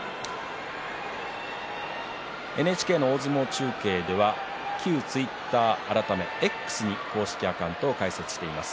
ＮＨＫ大相撲中継では旧ツイッター改めＸに公式アカウントを開設しています。